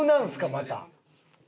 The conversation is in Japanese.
また。